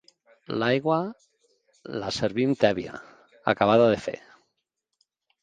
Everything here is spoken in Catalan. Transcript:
L'aigua la servim tèbia, acabada de fer.